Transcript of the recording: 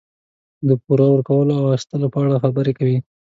د پور ورکولو او اخیستلو په اړه خبرې کوي.